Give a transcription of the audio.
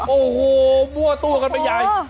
โอ้โหมั่วตัวกันไปใหญ่